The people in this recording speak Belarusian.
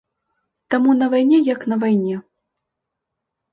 Таму на вайне як на вайне.